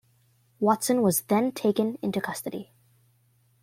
Watson was then taken into custody.